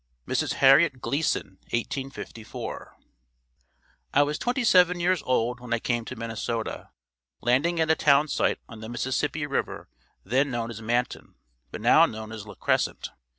Mrs. Harriet Gleason 1854. I was twenty seven years old when I came to Minnesota, landing at a townsite on the Mississippi River then known as Manton, but now known as La Crescent.